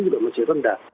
juga masih rendah